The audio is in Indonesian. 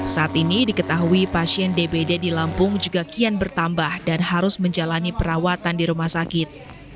saat ini diketahui pasien dbd di lampung juga kian bertambah dan harus menjalani perawatan di rumah sakit